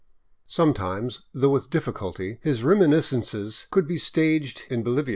Sometimes, though with difficulty, his reminiscences could be staged in Bolivia.